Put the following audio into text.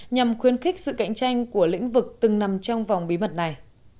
nhằm khuyến khích sự cạnh tranh của lĩnh vực từng nằm trong vòng bí mật này